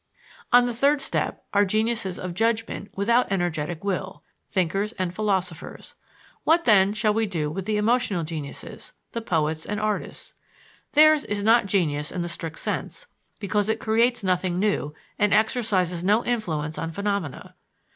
On the third step are geniuses of judgment without energetic will thinkers and philosophers. What then shall we do with the emotional geniuses the poets and artists? Theirs is not genius in the strict sense, "because it creates nothing new and exercises no influence on phenomena."